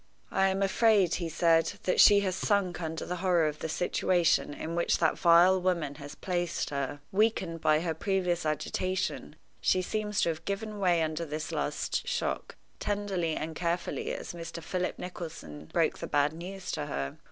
"I am afraid," he said, "that she has sunk under the horror of the situation in which that vile woman has placed her. Weakened by her previous agitation, she seems to have given way under this last shock, tenderly and carefully as Mr. Philip Nicholson broke the bad news to her.